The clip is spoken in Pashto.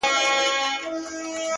ځكه چي دا خو د تقدير فيصله”